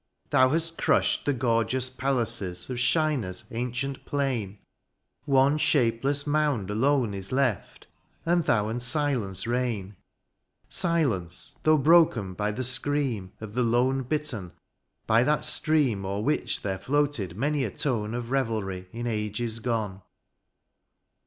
Thou hast crushed the gorgeous palaces Of Shinar's ancient plain ; One shapeless mound (a) alone is left And thou and silence reign :— Silence^ though broken by the scream Of the lone bittern^ by that stream O'er which there floated many a tone Of revelry in ages gone.